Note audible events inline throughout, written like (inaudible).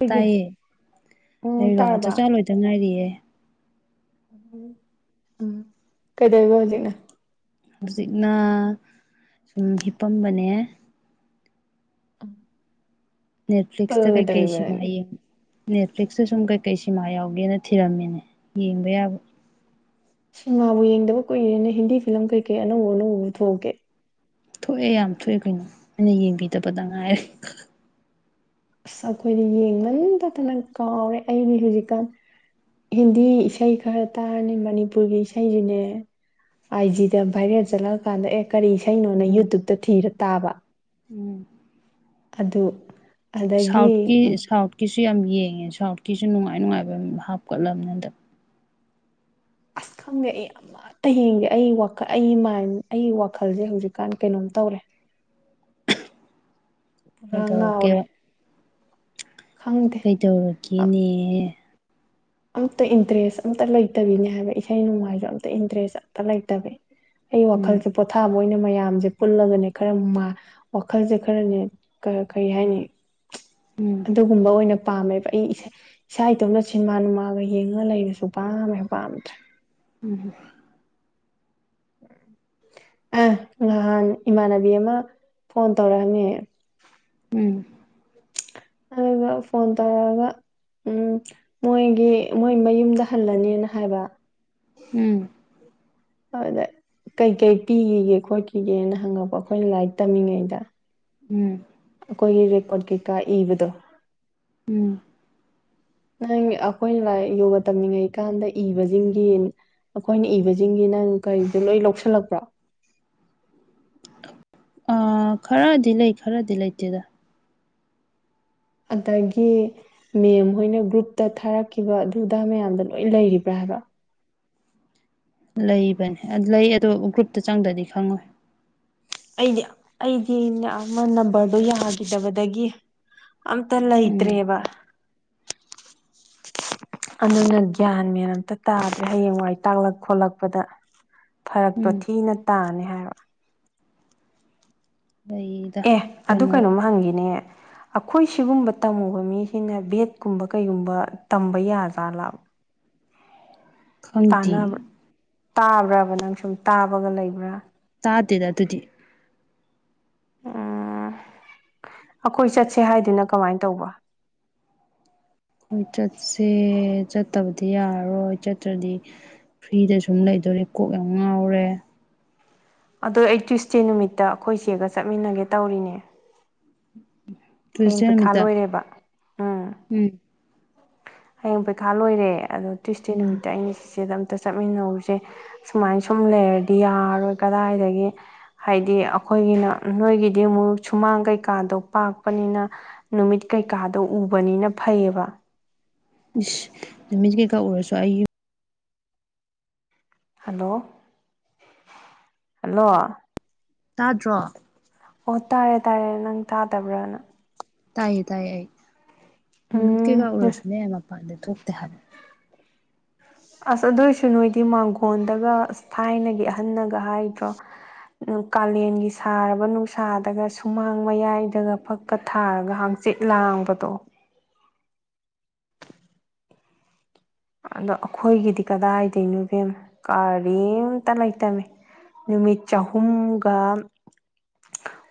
ꯑꯩꯒꯤ ꯇꯥꯏꯌꯦ ꯑꯣ ꯂꯩꯔꯣ ꯆꯥꯛꯆꯥ ꯇꯥꯔꯕ ꯂꯣꯏꯇ ꯉꯥꯏꯔꯤꯌꯦ ꯎꯝ ꯀꯩꯗꯧꯔꯤꯕ ꯍꯧꯖꯤꯛꯅ ꯍꯧꯖꯤꯛꯅ ꯁꯨꯝ ꯍꯤꯞꯄꯝꯕꯅꯦ ꯑꯝ ꯅꯦꯠꯐ꯭ꯂꯂꯤꯛꯁ ꯀ ꯀꯩꯁꯤꯌ ꯅꯦꯠꯐ꯭ꯂꯤꯛꯁꯇ ꯁꯨꯝ ꯀꯩꯀꯩ ꯁꯤꯃꯥ ꯌꯥꯎꯒꯦꯅ ꯊꯤꯔꯝꯃꯤꯅꯦ ꯌꯦꯡꯕ ꯌꯥꯕ ꯁꯤꯅꯦꯃꯥꯕꯨ ꯌꯦꯡꯗꯕ ꯀꯨꯏꯔꯦꯅ ꯍꯤꯟꯗꯤ ꯐꯤꯂꯝ ꯀꯩꯀꯩ ꯑꯅꯧ ꯑꯅꯧꯕ ꯄꯨꯊꯣꯛꯀꯦ ꯊꯣꯛꯑꯦ ꯌꯥꯝ ꯊꯣꯛꯑꯦ ꯀꯩꯅꯣ ꯑꯩꯅ ꯌꯦꯡꯕꯤꯗꯕꯗ ꯉꯥꯏꯔꯦ ꯑꯁ ꯑꯩꯈꯣꯏꯗ ꯌꯦꯡꯕꯇꯠꯇꯅ ꯀꯥꯎꯔꯦ ꯑꯩꯗꯤ ꯍꯧꯖꯤꯛꯀꯥꯟ ꯍꯤꯟꯗꯤ ꯏꯁꯩ ꯈꯔ ꯇꯥꯔꯅꯤ ꯃꯅꯤꯄꯨꯔꯒꯤ ꯏꯁꯩꯁꯤꯅꯦ ꯑꯥꯏꯖꯤꯗ ꯚꯥꯏꯔꯦꯜ ꯆꯠꯂꯛꯑꯀꯥꯟꯗ ꯑꯦ ꯀꯔꯤ ꯏꯁꯩꯅꯣꯅ ꯎꯝ ꯌꯨꯇꯨꯕꯇ ꯊꯤꯔ ꯇꯥꯕ ꯎꯝ ꯑꯗꯨ ꯑꯗꯒꯤ ꯁꯥꯎꯠꯀꯤ ꯁꯥꯎꯠꯀꯤꯁꯨ ꯌꯥꯝ ꯌꯦꯡꯉꯦ ꯁꯥꯎꯠꯀꯤꯁꯨ ꯅꯨꯡꯉꯥꯏ ꯅꯨꯡꯉꯥꯏꯕ ꯍꯥꯞꯀꯠꯂꯕꯅꯗ ꯑꯁ ꯈꯪꯉꯛꯑꯦ ꯌꯥꯝ ꯍꯌꯦꯡꯗꯤ ꯑꯩ ꯋꯥꯈꯜ ꯑꯩ ꯃꯥꯏꯟ ꯑꯩꯒꯤ ꯋꯥꯈꯜꯁꯦ ꯍꯧꯖꯤꯛꯀꯥꯟ ꯀꯩꯅꯣꯝ ꯇꯧꯔꯦ ꯄꯨꯔꯥ ꯉꯥꯎꯔꯦ ꯀꯩꯗꯧꯔꯛꯀꯦ ꯈꯪꯗꯦ ꯀꯩꯗꯧꯔꯛꯒꯦꯅꯦ ꯑꯝꯇ ꯏꯟꯇꯔꯦꯁ ꯑꯇ ꯂꯩꯇꯕꯤꯅꯦ ꯍꯥꯏꯕ ꯏꯁꯩ ꯅꯣꯡꯃꯥꯏꯁꯨ ꯑꯝꯇ ꯏꯟꯇꯔꯦꯁ ꯑꯝꯇ ꯂꯩꯇꯕꯤ ꯑꯩ ꯎꯝ ꯋꯥꯈꯜꯁꯦ ꯄꯣꯊꯥꯕ ꯑꯣꯏꯅ ꯃꯌꯥꯝꯁꯦ ꯄꯨꯜꯂꯒꯅꯦ ꯈꯔ ꯋꯥꯈꯜꯁꯦ ꯈꯔꯅꯦ ꯀꯔꯤ ꯍꯥꯏꯅꯤ ꯎꯝ ꯑꯗꯨꯒꯨꯝꯕ ꯑꯣꯏꯅ ꯄꯥꯝꯃꯦꯕ ꯑꯩ ꯏꯁꯥ ꯏꯇꯣꯝꯅ ꯁꯤꯟꯃꯥ ꯅꯨꯡꯃꯥꯟ ꯑꯥꯕ ꯌꯦꯡꯉ ꯂꯩꯔꯁꯨ ꯄꯥꯝꯃꯦꯕ ꯄꯥꯝꯗꯔꯦ ꯎꯝ ꯑ ꯅꯍꯥꯟ ꯏꯃꯥꯟꯅꯕꯤ ꯑꯃ ꯐꯣꯟ ꯇꯧꯔꯛꯑꯃꯦ ꯎꯝ ꯑꯗꯨꯒ ꯐꯣꯟ ꯇꯥꯔꯒ ꯎꯝ ꯃꯣꯏꯒꯤ ꯃꯣꯏ ꯃꯌꯨꯝꯗ ꯍꯜꯂꯅꯤꯅ ꯍꯥꯏꯕ ꯎꯝ ꯍꯗꯦ ꯀꯩ ꯀꯩ ꯄꯤꯈꯤꯒꯦ ꯈꯣꯠꯈꯤꯒꯦꯅ ꯍꯪꯉꯛꯄ ꯑꯩꯈꯣꯏꯅ ꯂꯥꯏꯔꯤꯛ ꯇꯝꯃꯤꯉꯩꯗ ꯎꯝ ꯑꯩꯈꯣꯏꯒꯤ ꯔꯦꯀꯣꯔꯠ ꯀꯩꯀꯥ ꯏꯕꯗꯣ ꯎꯝ ꯅꯪ ꯑꯩꯈꯣꯏꯅ ꯂꯥꯏꯔꯤꯛ ꯌꯣꯒ ꯇꯝꯅꯤꯡꯉꯩꯀꯥꯟꯗ ꯏꯕꯁꯤꯡꯒꯤ ꯑꯩꯈꯣꯏꯅ ꯏꯕꯁꯤꯡꯁꯤꯅ ꯀꯔꯤꯁꯦ ꯂꯣꯏ ꯂꯧꯁꯤꯜꯂꯛꯄ꯭ꯔꯣ ꯑ ꯈꯔꯗꯤ ꯂꯩ ꯈꯔꯗꯤ ꯂꯩꯇꯦꯗ ꯑꯗꯒꯤ ꯃꯦꯝ ꯍꯣꯏꯅ ꯒ꯭ꯔꯨꯞꯇ ꯊꯥꯔꯛꯈꯤꯕ ꯑꯗꯨ ꯑꯗꯥ ꯃꯌꯥꯝꯗ ꯂꯣꯏ ꯂꯩꯔꯤꯕ꯭ꯔꯥ ꯍꯥꯏꯕ ꯂꯩꯕꯅꯦ ꯂꯩ ꯑꯗꯣ ꯒ꯭ꯔꯨꯞꯇ ꯆꯪꯗ꯭ꯔꯗꯤ ꯈꯪꯉꯣꯏ ꯑꯩꯗꯤ ꯑꯩꯗꯤ ꯑꯃ ꯅꯝꯕꯔꯗꯣ ꯌꯥꯈꯤꯗꯕꯗꯒꯤ ꯑꯝꯇꯗ ꯎꯝ ꯏꯇ꯭ꯔꯦꯕ ꯑꯗꯨꯅ ꯒ꯭ꯌꯥꯟ ꯃꯦꯟ ꯑꯃꯇ ꯇꯥꯗꯦ ꯍꯌꯦꯡꯋꯥꯏ ꯇꯥꯛꯂꯛ ꯈꯣꯠꯂꯛꯄꯗ ꯐꯔꯛꯇꯣ ꯎꯝ ꯊꯤꯅ ꯇꯥꯅꯤ ꯍꯥꯏꯕ ꯑꯩ ꯑꯦ ꯑꯗꯨ ꯀꯩꯅꯣꯝ ꯍꯪꯈꯤꯅꯦ ꯑꯩꯈꯣꯏ ꯁꯤꯒꯨꯝꯕ ꯇꯝꯃꯨꯕ ꯃꯤꯁꯤꯅ ꯕꯦꯠꯀꯨꯝꯕ ꯀꯩꯒꯨꯝꯕ ꯇꯝꯕ ꯌꯥꯗ꯭ꯔꯖꯥꯠꯕ ꯈꯪꯗꯦ ꯇꯥꯕ꯭ꯔꯕ ꯅꯪ ꯁꯨꯝ ꯇꯥꯕꯒ ꯂꯩꯕ꯭ꯔꯥ ꯇꯥꯇꯦꯗ ꯑꯗꯨꯨꯗꯤ ꯎꯝ ꯑꯩꯈꯣꯏ ꯆꯠꯁꯦ ꯍꯥꯏꯗꯨꯅ ꯀꯃꯥꯏ ꯇꯧꯕ ꯎꯝ ꯆꯠꯁꯦ ꯆꯠꯇꯕꯗꯤ ꯌꯥꯔꯔꯣꯏ ꯆꯠꯇ꯭ꯔꯗꯤ ꯐ꯭ꯔꯤꯗ ꯁꯨꯝ ꯂꯩꯗꯣꯔꯤ ꯀꯣꯛ ꯌꯥꯝ ꯉꯥꯎꯔꯦ ꯑꯗꯣ ꯑꯩ ꯇ꯭ꯌꯨꯁꯗꯦ ꯅꯨꯃꯤꯠꯇ ꯑꯩꯈꯣꯏ ꯆꯦꯒ ꯆꯠꯃꯤꯟꯅꯒꯦ ꯇꯧꯔꯤꯅꯦ ꯇꯨꯏꯁꯇꯦ ꯍꯌꯦꯡ ꯄꯩꯈꯥ ꯅꯄꯃꯤꯠꯗ ꯂꯣꯏꯔꯦꯕ ꯎꯝ ꯍꯌꯦꯡ ꯄꯩꯈꯥ ꯂꯣꯏꯔꯦ ꯑꯗꯣ ꯇ꯭ꯌꯨꯁꯗꯦ ꯎꯝ ꯅꯨꯃꯤꯠꯇ ꯑꯩꯅ ꯆꯤꯆꯦ ꯑꯗꯨꯝ ꯆꯠꯃꯤꯟꯅꯧꯁꯦ ꯁꯨꯃꯥꯏ ꯁꯨꯝ ꯂꯩꯔꯗꯤ ꯌꯥꯔꯔꯣꯏ ꯀꯗꯥꯏꯗꯒꯤ ꯍꯥꯏꯗꯤ ꯑꯩꯈꯣꯏꯒꯤꯅ ꯅꯣꯏꯒꯤꯗꯤ ꯑꯃꯨꯛ ꯁꯨꯃꯥꯡ ꯀꯩꯀꯥꯗꯣ ꯄꯥꯛꯄꯅꯤꯅ ꯅꯨꯃꯤꯠ ꯀꯩꯀꯥꯗꯣ ꯎꯕꯅꯤꯅ ꯐꯩꯌꯦꯕ ꯏꯁ ꯅꯨꯃꯤꯠꯁꯦ ꯀꯩꯀꯥ ꯎꯔꯁꯨ ꯑꯩ ꯍꯜꯂꯣ ꯍꯜꯂꯣ ꯇꯥꯗ꯭ꯔꯣ ꯑꯣ ꯇꯥꯔꯦ ꯇꯥꯔꯦ ꯅꯪ ꯇꯥꯗꯕ꯭ꯔꯥꯅ ꯇꯥꯏꯌꯦ ꯇꯥꯏꯌꯦ ꯑꯩ ꯅꯨꯃꯤꯠ ꯀꯩꯀꯥ ꯎꯝ ꯎꯔꯁꯨꯅꯦ ꯃꯄꯥꯟꯗꯤ ꯊꯣꯛꯇꯦ ꯍꯥꯏꯕ ꯑꯁ ꯑꯗꯨꯏꯁꯨ ꯅꯣꯏꯗꯤ ꯃꯥꯡꯒꯣꯟꯗꯒ ꯑꯁ ꯊꯥꯏꯅꯒꯤ ꯑꯍꯟꯅꯒ ꯍꯥꯏꯗ꯭ꯔꯣ ꯀꯥꯂꯦꯟꯒꯤ ꯁꯥꯔꯕ ꯅꯨꯡꯁꯥꯗꯒ ꯁꯨꯃꯥꯡ ꯃꯌꯥꯏꯗꯒ ꯐꯛ ꯊꯥꯔꯒ ꯍꯥꯡꯆꯤꯠ ꯂꯥꯡꯕꯗꯣ ꯑꯗꯣ ꯑꯩꯈꯣꯏꯒꯤꯗꯤ ꯀꯗꯥꯏꯗꯅꯣꯗ ꯀꯔꯤꯝꯇ ꯂꯩꯇꯃꯤ ꯅꯨꯃꯤꯠ ꯆꯍꯨꯝꯒ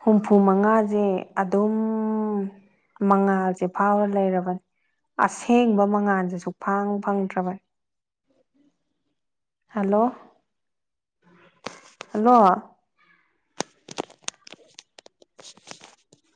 ꯍꯨꯝꯐꯨ ꯃꯉꯥꯁꯦ ꯑꯗꯨꯝ ꯃꯉꯥꯜꯁꯦ ꯐꯥꯎꯔ ꯂꯩꯔꯕꯅꯤ ꯑꯁꯦꯡꯕ ꯃꯉꯥꯜꯁꯤꯁꯨ ꯐꯥꯡꯕ ꯐꯪꯗ꯭ꯔꯕ ꯍꯜꯂꯣ ꯍꯜꯂꯣ (inaudible)